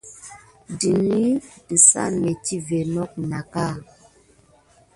Ndəni dezu métivə not nako nat ka.